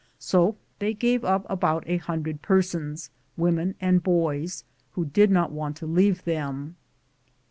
So they gave up about a hundred persons, wom en and boys, who did not want to leave them.